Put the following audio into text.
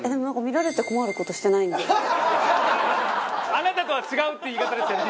あなたとは違うって言い方でしたよね？